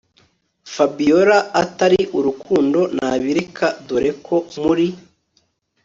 Fabiora atari urukundo nabireka dore ko muri